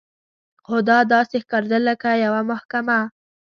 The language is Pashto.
خو دا داسې ښکارېدل لکه یوه محکمه.